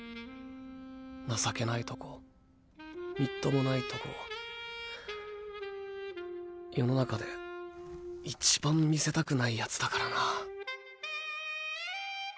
情けないとこみっともないとこを世の中で一番見せたくない奴だからな。